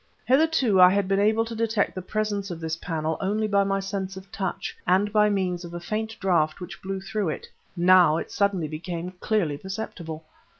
Hitherto I had been able to detect the presence of this panel only by my sense of touch and by means of a faint draught which blew through it; now it suddenly became clearly perceptible.